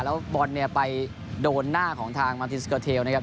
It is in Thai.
แล้วบอลเนี่ยไปโดนหน้าของทางมาตินสเกอร์เทลนะครับ